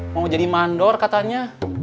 mau jadi mandor katanya